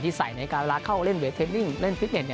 ที่ใส่ในเวลาเข้าเล่นเวทเทปนิ่งเล่นพิกเน็ต